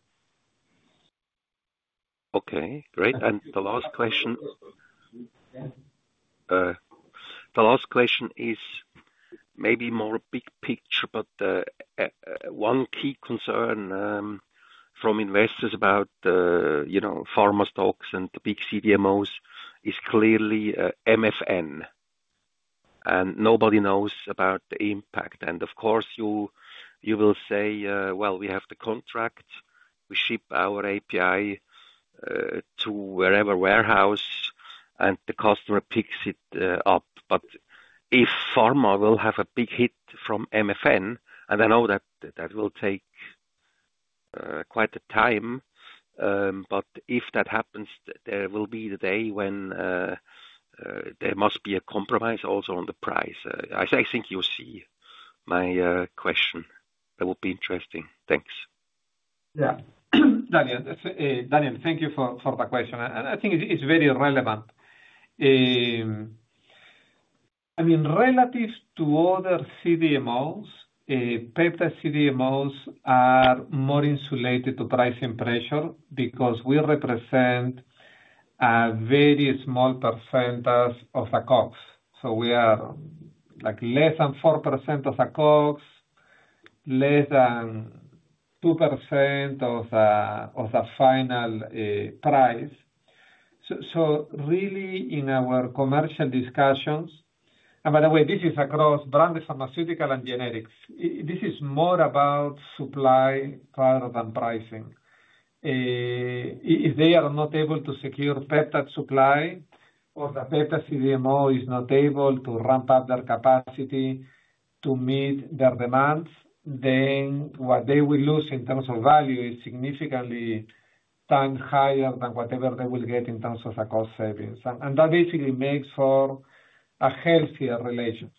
Okay. Great. The last question is maybe more big picture, but one key concern from investors about pharma stocks and the big CDMOs is clearly MFN. Nobody knows about the impact. Of course, you will say we have the contract, we ship our API to wherever warehouse, and the customer picks it up. If pharma will have a big hit from MFN, and I know that will take quite a time, if that happens, there will be the day when there must be a compromise also on the price. I think you see my question. That would be interesting. Thanks. Yeah. Daniel, thank you for the question. I think it's very relevant. I mean, relative to other CDMOs, peptide CDMOs are more insulated to pricing pressure because we represent a very small percentage of the cost. We are like less than 4% of the cost, less than 2% of the final price. Really, in our commercial discussions, and by the way, this is across branded pharmaceutical and generics, this is more about supply rather than pricing. If they are not able to secure peptide supply or the peptide CDMO is not able to ramp up their capacity to meet their demands, then what they will lose in terms of value is significantly higher than whatever they will get in terms of the cost savings. That basically makes for a healthier relationship.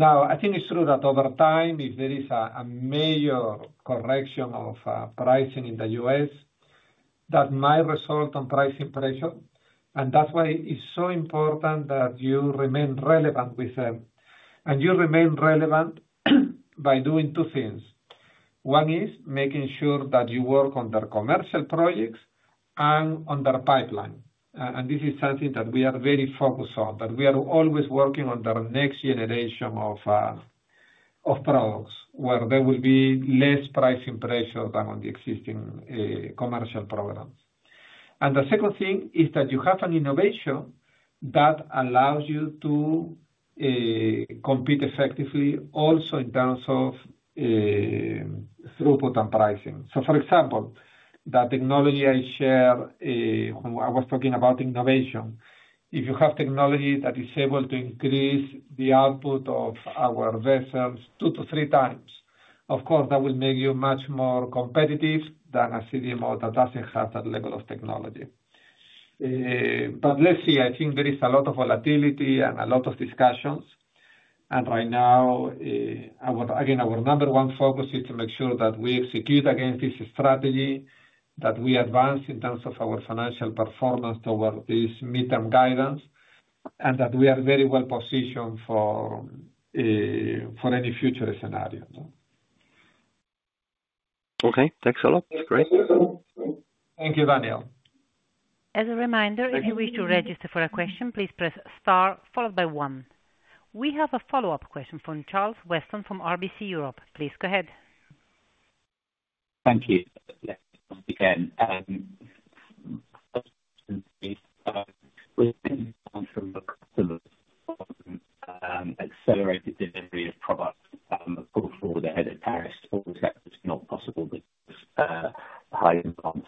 I think it's true that over time, if there is a major correction of pricing in the U.S., that might result in pricing pressure. That's why it's so important that you remain relevant with them. You remain relevant by doing two things. One is making sure that you work on their commercial projects and on their pipeline. This is something that we are very focused on, that we are always working on their next generation of products where there will be less pricing pressure than on the existing commercial programs. The second thing is that you have an innovation that allows you to compete effectively also in terms of throughput and pricing. For example, the technology I shared when I was talking about innovation, if you have technology that is able to increase the output of our vessels two to three times, of course, that will make you much more competitive than a CDMO that doesn't have that level of technology. I think there is a lot of volatility and a lot of discussions. Right now, again, our number one focus is to make sure that we execute against this strategy, that we advance in terms of our financial performance towards this midterm guidance, and that we are very well positioned for any future scenarios. Okay, thanks a lot. It's great. Thank you, Daniel. As a reminder, if you wish to register for a question, please press star followed by one. We have a follow-up question from Charles Weston from RBC Europe. Please go ahead. Thank you. Yes, again. We've been monitoring accelerated delivery of products, of course, all ahead in Paris. All of that is not possible with the high-end cost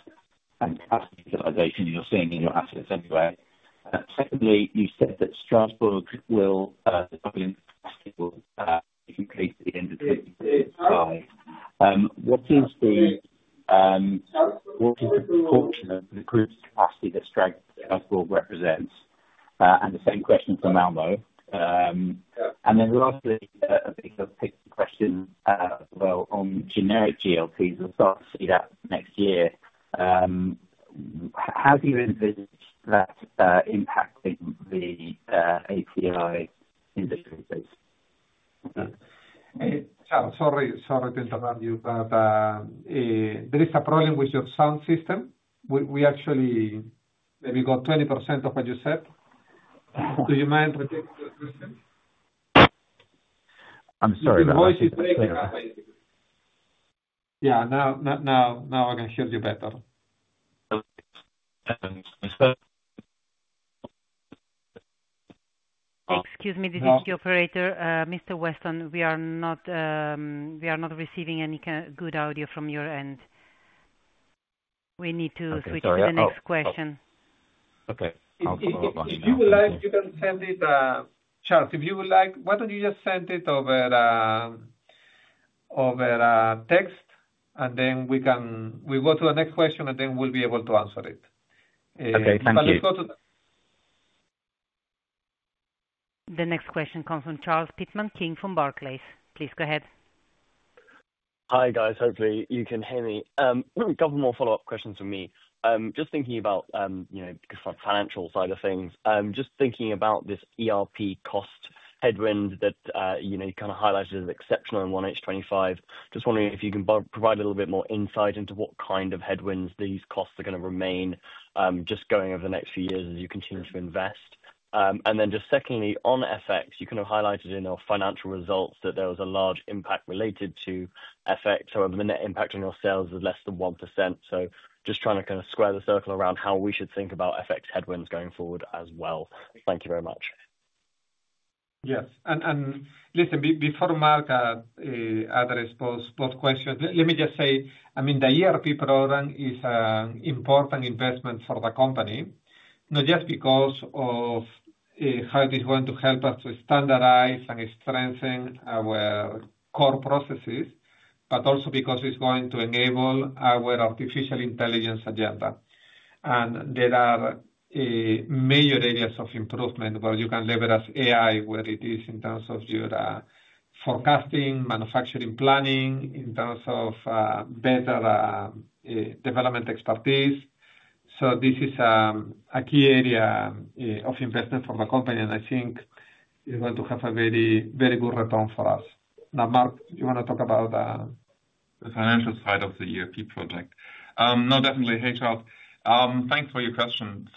and capacity utilization you're seeing in your assets anyway. Secondly, you said that Strasbourg will complete by the end of the year. What is the working group's culture, the group's capacity, the strength Strasbourg represents? The same question for Malmö. The last bit is a technical question as well on generic GLPs and starting that next year. How do you envisage that impacting the API in the future? Sorry to interrupt you, but there is a problem with your sound system. We actually maybe got 20% of what you said. Would you mind? I'm sorry about that. Now I can hear you better. Okay. So. Excuse me, the DT operator, Mr. Weston. We are not receiving any good audio from your end. We need to switch to the next question. Okay. If you would like, you can send it. Charles, if you would like, why don't you just send it over text? We can go to the next question, and then we'll be able to answer it. Okay, thank you. Let's go to the. The next question comes from Charles Pitman King from Barclays. Please go ahead. Hi, guys. Hopefully, you can hear me. A couple more follow-up questions from me. Just thinking about, you know, because of the financial side of things, just thinking about this ERP cost headwind that you know, you kind of highlighted as exceptional in H1 2025. Just wondering if you can provide a little bit more insight into what kind of headwinds these costs are going to remain just going over the next few years as you continue to invest. Secondly, on FX, you kind of highlighted in your financial results that there was a large impact related to FX. The net impact on your sales is less than 1%. Just trying to kind of square the circle around how we should think about FX headwinds going forward as well. Thank you very much. Yes. Before Marc addresses both questions, let me just say, the ERP program is an important investment for the company, not just because of how it is going to help us to standardize and strengthen our core processes, but also because it's going to enable our artificial intelligence agenda. There are major areas of improvement where you can leverage AI, whether it is in terms of your forecasting, manufacturing planning, or in terms of better development expertise. This is a key area of investment for the company, and I think it's going to have a very, very good return for us. Now, Marc, you want to talk about the financial side of the ERP project? No, definitely. Hey, Charles. Thanks for your question.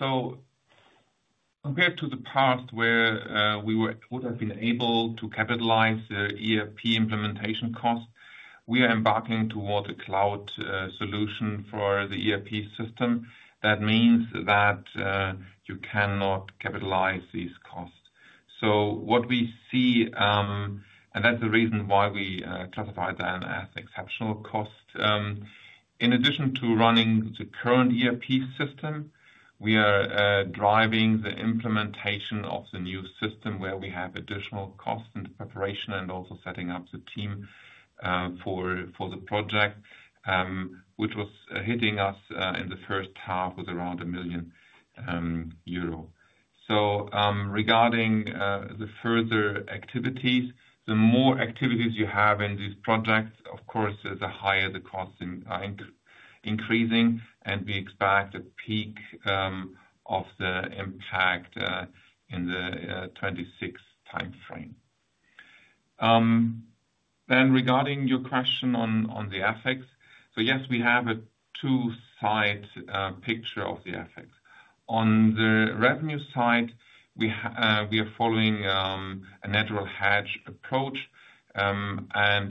Compared to the past where we would have been able to capitalize the ERP implementation cost, we are embarking towards a solution for the ERP system. That means that you cannot capitalize these costs. What we see, and that's the reason why we classify that as an exceptional cost. In addition to running the current ERP system, we are driving the implementation of the new system where we have additional costs in preparation and also setting up the team for the project, which was hitting us in the first half with around €1 million. Regarding the further activities, the more activities you have in these projects, of course, the higher the costs are increasing. We expect a peak of the impact in the 2026 timeframe. Regarding your question on the FX, yes, we have a two-side picture of the FX. On the revenue side, we are following a natural hedge approach,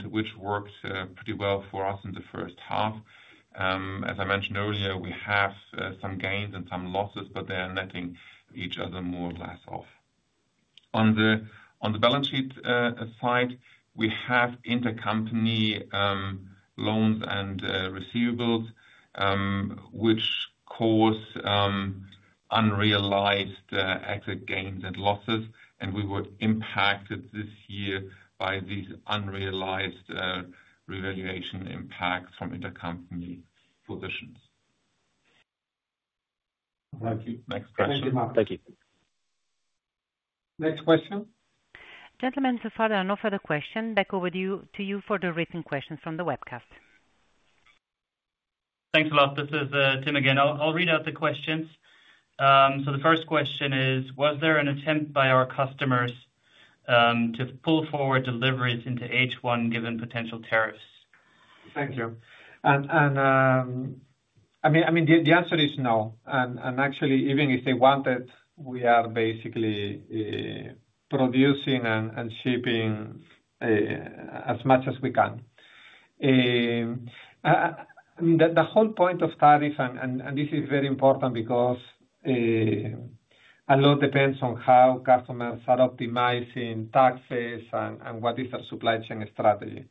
which worked pretty well for us in the first half. As I mentioned earlier, we have some gains and some losses, but they are netting each other more or less off. On the balance sheet side, we have intercompany loans and receivables, which cause unrealized exit gains and losses. We were impacted this year by these unrealized revaluation impacts from intercompany positions. Thank you, Marc. Thank you. Next question? Gentlemen, so far, there are no further questions. Back over to you for the written questions from the webcast. Thanks a lot. This is Tim again. I'll read out the questions. The first question is, was there an attempt by our customers to pull forward deliveries into H1 given potential tariffs? Thank you. I mean, the answer is no. Actually, even If they want it, we are basically producing and shipping as much as we can. The whole point of tariff, and this is very important because a lot depends on how customers are optimizing taxes and what is their supply chain strategy.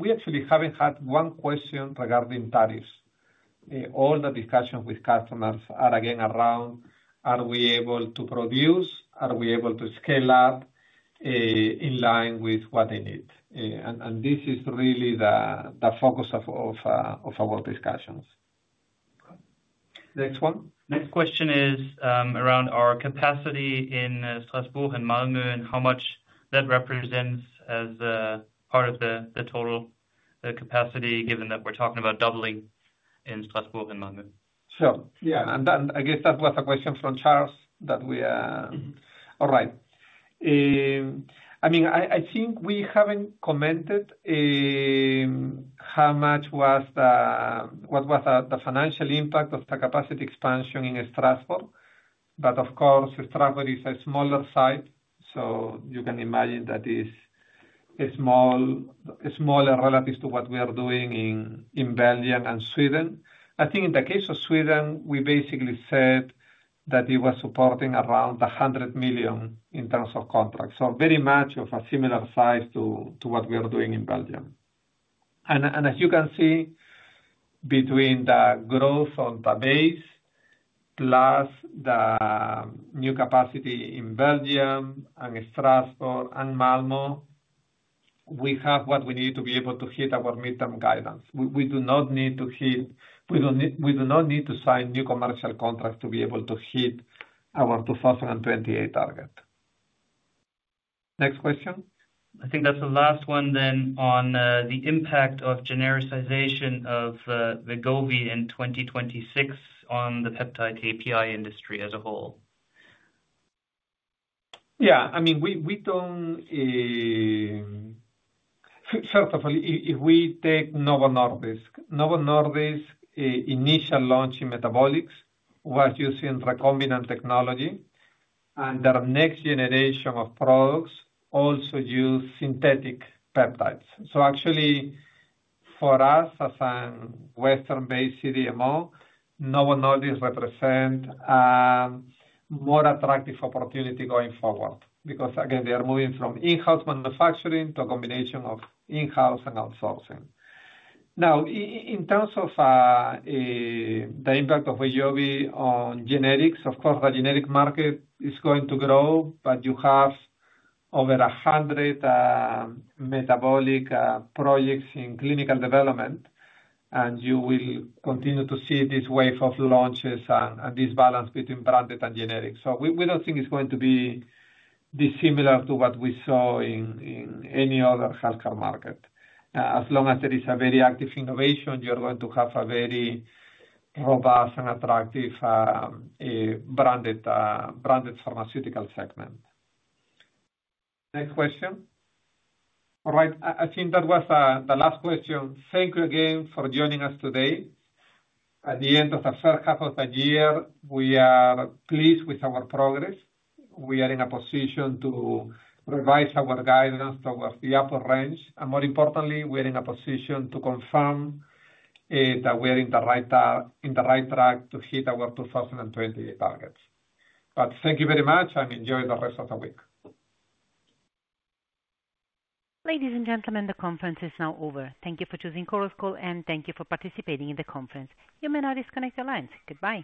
We actually haven't had one question regarding tariffs. All the discussions with customers are again around, are we able to produce, are we able to scale up in line with what they need? This is really the focus of our discussions. Next one? Next question is around our capacity in Strasbourg and Malmö, and how much that represents as part of the total capacity, given that we're talking about doubling in Strasbourg and Malmö. Sure. I guess that was a question from Charles that we are... All right. I think we haven't commented how much was the financial impact of the capacity expansion in Strasbourg. Of course, Strasbourg is a smaller site, so you can imagine that it's smaller relative to what we are doing in Belgium and Sweden. I think in the case of Sweden, we basically said that it was supporting around 100 million in terms of contracts, very much of a similar size to what we are doing in Belgium. As you can see, between the growth on the base plus the new capacity in Belgium and Strasbourg and Malmö, we have what we need to be able to hit our midterm guidance. We do not need to sign new commercial contracts to be able to hit our 2028 target. Next question? I think that's the last one on the impact of genericization of Wegovy in 2026 on the peptide therapeutics industry as a whole. Yeah. I mean, we don't... First of all, if we take Novo Nordisk, Novo Nordisk's initial launch in metabolics was using recombinant technology, and their next generation of products also use synthetic peptides. Actually, for us as a Western-based CDMO, Novo Nordisk represents a more attractive opportunity going forward because, again, they are moving from in-house manufacturing to a combination of in-house and outsourcing. In terms of the impact of Wegovy on genetics, of course, the genetic market is going to grow, but you have over 100 metabolic projects in clinical development, and you will continue to see this wave of launches and this balance between branded and genetics. We don't think it's going to be dissimilar to what we saw in any other healthcare market. As long as there is a very active innovation, you're going to have a very robust and attractive branded pharmaceutical segment. Next question? All right. I think that was the last question. Thank you again for joining us today. At the end of the first half of the year, we are pleased with our progress. We are in a position to revise our guidance towards the upper range. More importantly, we are in a position to confirm that we are on the right track to hit our 2028 targets. Thank you very much, and enjoy the rest of the week. Ladies and gentlemen, the conference is now over. Thank you for choosing COROS Call, and thank you for participating in the conference. You may now disconnect your lines. Goodbye.